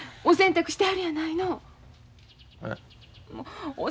お洗濯してはるやないの。